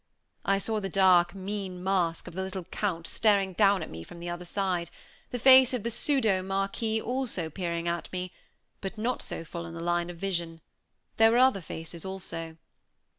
I saw the dark, mean mask of the little Count staring down at me from the other side; the face of the pseudo Marquis also peering at me, but not so full in the line of vision; there were other faces also.